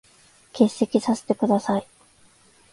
欠席させて下さい。